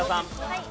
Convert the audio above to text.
はい。